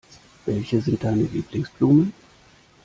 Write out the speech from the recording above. Welche sind deine Lieblingsblumen?